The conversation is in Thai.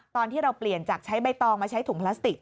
ตอนที่เราเปลี่ยนจากใช้ใบตองมาใช้ถุงพลาสติก